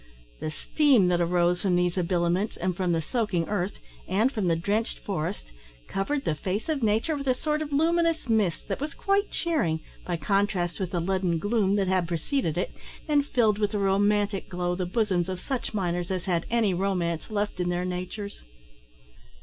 The steam that arose from these habiliments, and from the soaking earth, and from the drenched forest, covered the face of nature with a sort of luminous mist that was quite cheering, by contrast with the leaden gloom that had preceded it, and filled with a romantic glow the bosoms of such miners as had any romance left in their natures.